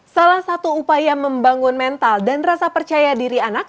salah satu upaya membangun mental dan rasa percaya diri anak